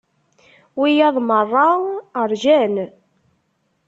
Wiyaḍ merra rjan.